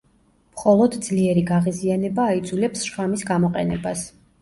მხოლოდ ძლიერი გაღიზიანება აიძულებს შხამის გამოყენებას.